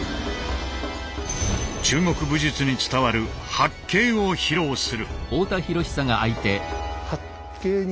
中国武術に伝わる「発勁」を披露する。